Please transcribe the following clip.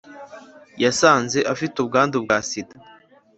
yasanze afite ubwandu bwa sida